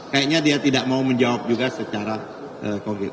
kayaknya dia tidak mau menjawab juga secara konkret